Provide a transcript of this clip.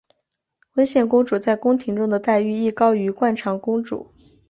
温宪公主在宫廷中的待遇亦高于惯常公主。